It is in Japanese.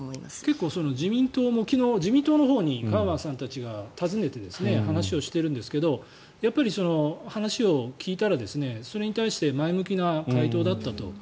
結構、自民党も昨日、自民党のほうにカウアンさんたちが訪ねて話をしているんですが話を聞いたらそれに対して前向きな回答だったと。